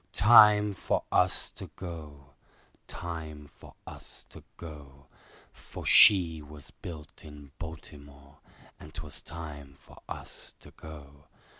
Time for us to go, Time for us to go, For she was built in Baltimore, and 'twas time for us to go.